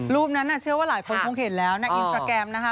รูปนั้นเชื่อว่าหลายคนคงเห็นแล้วในอินสตราแกรมนะคะ